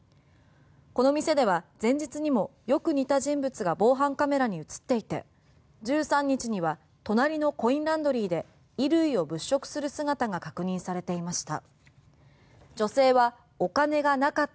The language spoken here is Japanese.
この店では前日にもよく似た人物が防犯カメラに映っていて１３日には隣のコインランドリーで衣類を物色する姿が確認されていました。